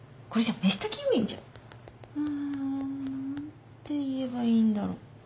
あ何て言えばいいんだろう？